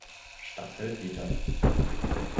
Staffel wieder.